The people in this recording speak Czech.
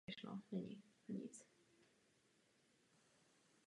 Nejlepším příkladem této skutečnosti je energetické odvětví.